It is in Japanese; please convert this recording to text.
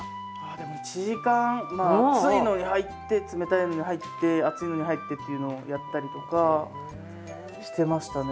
でも１時間まあ熱いのに入って冷たいのに入って熱いのに入ってっていうのをやったりとかしてましたね。